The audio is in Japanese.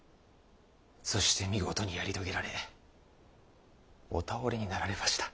そして見事にやり遂げられお倒れになられました。